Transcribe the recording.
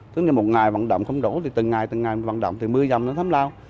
tức là một ngày vận động không đủ thì từng ngày từng ngày mình vận động từ mưa dầm đến thấm lao